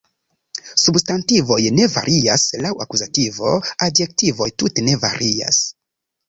Substantivoj ne varias laŭ akuzativo, adjektivoj tute ne varias.